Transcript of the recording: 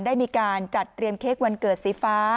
ได้มีการจัดเตรียมเค้กวันเกิดสีฟ้า